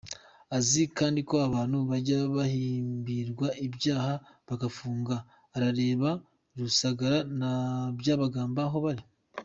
Azi kandi ko abantu bajya bahimbirwa ibyaha bagafungwa, arareba Rusagara na Byabagamba aho bari.